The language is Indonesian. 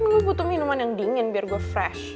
aku butuh minuman yang dingin biar gue fresh